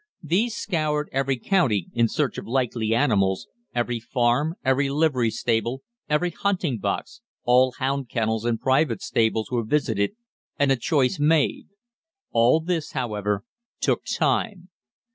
These scoured every county in search of likely animals, every farm, every livery stable, every hunting box, all hound kennels and private stables were visited, and a choice made. All this, however, took time.